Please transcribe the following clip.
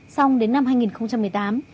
xong đến năm hai nghìn một mươi tám